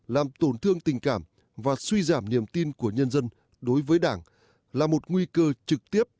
làm tổn thương tình cảm và suy giảm niềm tin của nhân dân đối với đảng là một nguy cơ trực tiếp